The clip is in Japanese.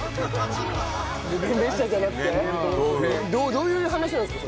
どういう話なんですか？